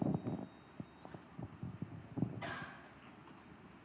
seharusnya pak hakim